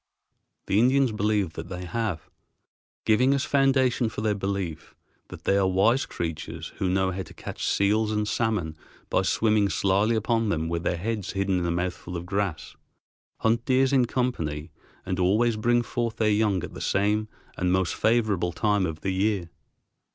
The Indians believe that they have, giving as foundation for their belief that they are wise creatures who know how to catch seals and salmon by swimming slyly upon them with their heads hidden in a mouthful of grass, hunt deer in company, and always bring forth their young at the same and most favorable time of the year.